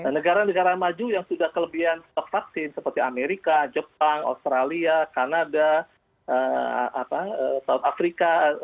negara negara maju yang sudah kelebihan stok vaksin seperti amerika jepang australia kanada afrika